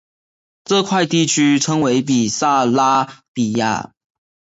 这块地区称为比萨拉比亚。